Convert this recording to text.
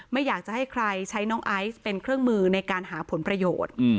ไม่อยากจะให้ใครใช้น้องไอซ์เป็นเครื่องมือในการหาผลประโยชน์